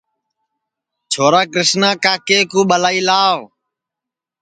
چھورا کرشنا کاکے کُو ٻلائی لاو